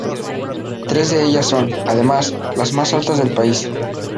Tres de ellas son, además, las más altas del país.